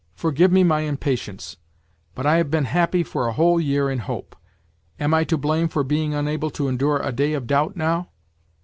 Forgive me my impatience; but I have been happy for a whole year in hope ; am I to blame for being unable to enduie a day of doubt now